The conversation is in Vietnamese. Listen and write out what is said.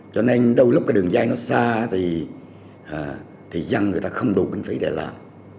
cho nên đôi lúc cái đường dây nó xa thì dân người ta không đủ kinh phí để làm